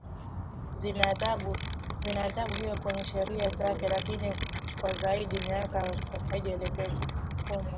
zina adhabu hiyo kwenye sheria zake lakini kwa zaidi miaka kumi haijatekeleza